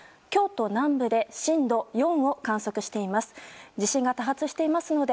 京都南部で震度４を観測しています。